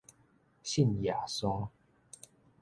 信耶穌